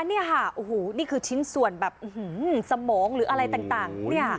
เนี่ยค่ะโอ้โหนี่คือชิ้นส่วนแบบอื้อหือสมองหรืออะไรต่างต่าง